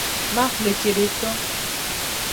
Maxwle cedeto.